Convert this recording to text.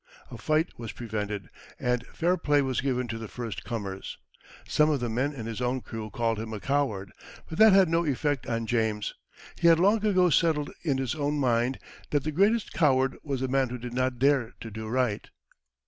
A fight was prevented, and fair play was given to the first comers. Some of the men in his own crew called him a coward, but that had no effect on James. He had long ago settled in his own mind that the greatest coward was the one who did not dare to do right.